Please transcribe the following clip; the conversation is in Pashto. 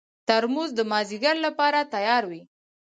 ترموز د مازدیګر لپاره تیار وي.